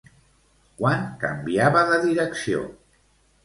Quan canviava de direcció?